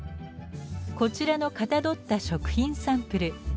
こちらのかたどった食品サンプル。